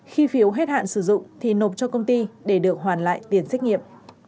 khi phiếu hết hạn sử dụng thì nộp cho công ty để được hoàn lại tiền xét nghiệm